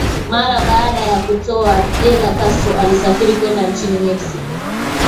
Mara baada ya kutoka jela Castro alisafiri kwenda nchini Mexico